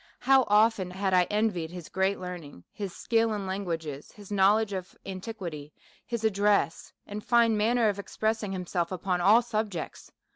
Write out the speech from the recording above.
" How often had I envied his great learning, his skill in language, his knowledge of antiquity, his ad dress, and fine manner of expressing himself upon all subjects